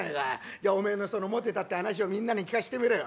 じゃおめえのそのモテたって話をみんなに聞かしてみろよ。